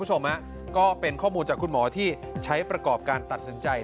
คุณผู้ชมฮะก็เป็นข้อมูลจากคุณหมอที่ใช้ประกอบการตัดสินใจ